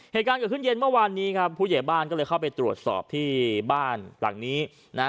เหตุการณ์เกิดขึ้นเย็นเมื่อวานนี้ครับผู้ใหญ่บ้านก็เลยเข้าไปตรวจสอบที่บ้านหลังนี้นะฮะ